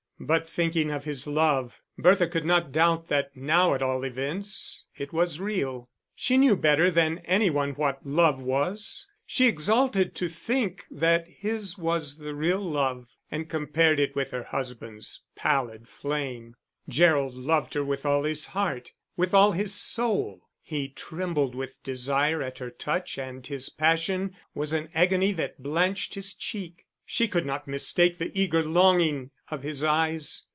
But thinking of his love, Bertha could not doubt that now at all events it was real; she knew better than any one what love was. She exulted to think that his was the real love, and compared it with her husband's pallid flame. Gerald loved her with all his heart, with all his soul; he trembled with desire at her touch and his passion was an agony that blanched his cheek. She could not mistake the eager longing of his eyes.